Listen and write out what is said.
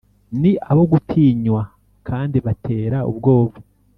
ni abo gutinywa kandi batera ubwoba